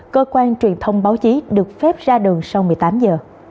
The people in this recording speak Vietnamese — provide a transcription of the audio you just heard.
cơ quan truyền thông báo chí được phép ra đường sau một mươi tám giờ